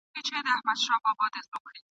چاره څه ده بس زموږ دغه زندګي ده !.